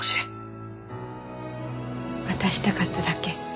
渡したかっただけ？